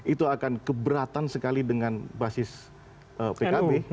itu akan keberatan sekali dengan basis pkb